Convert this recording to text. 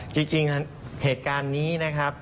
จริงเหตุการณ์นี้นะครับ